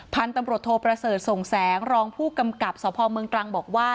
พันธุ์ตำรวจโทประเสริฐส่งแสงรองผู้กำกับสพเมืองตรังบอกว่า